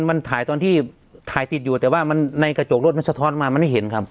มันถ่ายตอนที่ถ่ายติดอยู่แต่ว่ามันในกระจกรถมันสะท้อนมามันไม่เห็นครับ